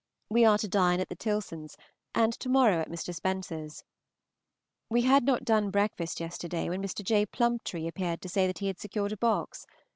We are to dine at the Tilsons', and to morrow at Mr. Spencer's. We had not done breakfast yesterday when Mr. J. Plumptre appeared to say that he had secured a box.